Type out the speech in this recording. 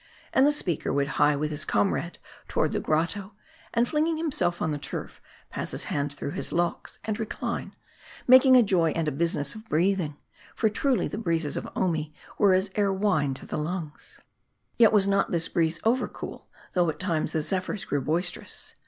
And the speaker would hie with his comrade toward the grotto ; and flinging himself on the turf, pass his hand through his locks, and recline ; making a joy and a business of breathing ; for truly the breezes of Omi were as air wine to the lungs* Yet was not this breeze over cool ; though at times the zephyrs grew boisterous.